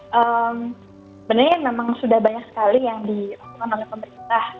sebenarnya memang sudah banyak sekali yang dilakukan oleh pemerintah